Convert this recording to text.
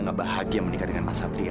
ya tuhan connot selamatla